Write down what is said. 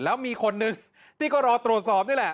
แล้วมีคนนึงที่ก็รอตรวจสอบนี่แหละ